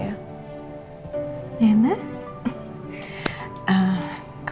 ya mudah mudahan nanti pertemunya berjalan lancar ya